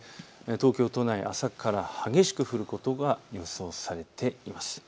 東京都内、朝から激しく降ることが予想されています。